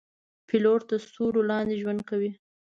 پیلوټ د ستورو لاندې ژوند کوي.